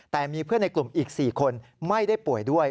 แต่มีเพื่อนในกลุ่มอีก๔คนไม่ได้ป่วยด้วย